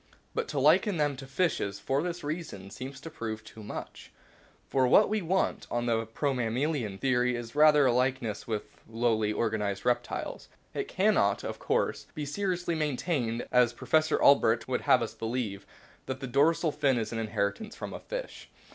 But to liken them to fishes for this reason seems to prove too much ; what we want on the " promammalian " theory is rather a likeness with lowly organised reptiles. It cannot, of course, be seriously maintained, as Professor Albrecht would have us believe, that the dorsal fin is an in heritance from a fish.